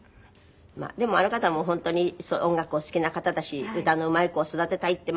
でもあの方も本当に音楽お好きな方だし歌のうまい子を育てたいって。